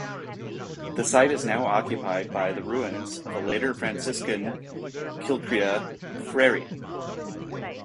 The site is now occupied by the ruins of a later Franciscan Kilcrea Friary.